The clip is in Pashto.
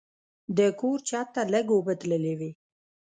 د کور چت ته لږ اوبه تللې وې.